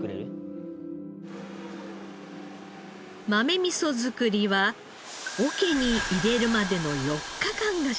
豆味噌造りは桶に入れるまでの４日間が勝負。